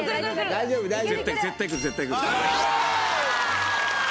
大丈夫、大丈夫。